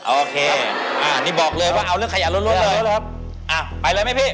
อันนี้บอกเลยว่าเอาเรื่องขยะรถละละหรือ